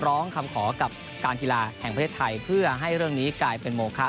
ร้องคำขอกับการกีฬาแห่งประเทศไทยเพื่อให้เรื่องนี้กลายเป็นโมคะ